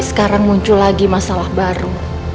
sekarang muncul lagi masalah baru